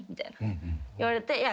言われて。